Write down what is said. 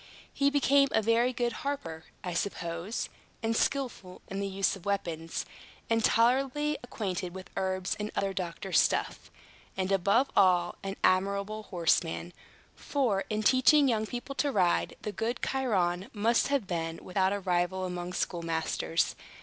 He became a very good harper, I suppose, and skilful in the use of weapons, and tolerably acquainted with herbs and other doctor's stuff, and, above all, an admirable horseman; for, in teaching young people to ride, the good Chiron must have been without a rival among schoolmasters.